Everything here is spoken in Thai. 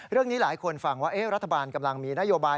เรื่องนี้หลายคนฟังว่ารัฐบาลกำลังมีนโยบาย